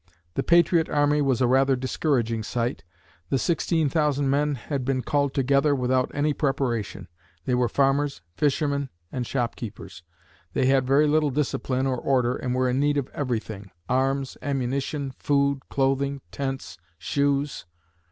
The patriot army was a rather discouraging sight. The 16,000 men had been called together without any preparation. They were farmers, fishermen and shop keepers. They had very little discipline or order and were in need of everything arms, ammunition, food, clothing, tents, shoes.